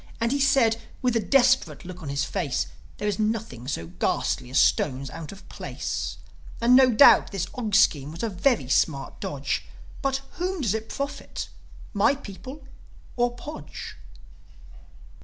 And he said, with a desperate look on his face, "There is nothing so ghastly as stones out of place. And, no doubt, this Og scheme was a very smart dodge. But whom does it profit my people, or Podge?"